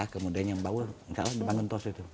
kemudian yang bawa insya allah dibangun tos itu